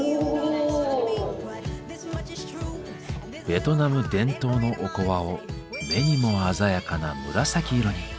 ベトナム伝統のおこわを目にも鮮やかな紫色に。